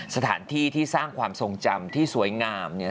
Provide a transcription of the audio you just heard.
สถานที่ที่สร้างความทรงจำที่สวยงามเนี่ย